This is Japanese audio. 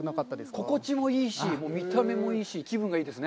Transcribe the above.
心地もいいし、見た目もいいし、気分がいいですね。